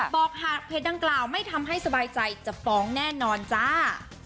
หากเพจดังกล่าวไม่ทำให้สบายใจจะฟ้องแน่นอนจ้า